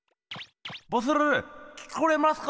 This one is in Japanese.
ボス聞こえますか？